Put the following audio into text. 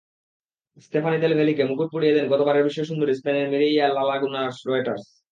স্তেফানি Del ভ্যালিকে মুকুট পরিয়ে দেন গতবারের বিশ্বসুন্দরী স্পেনের মিরেইয়া লালাগুনারয়টার্স।